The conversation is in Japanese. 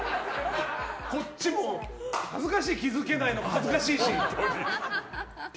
こっちも恥ずかしい気づけないのが恥ずかしいし。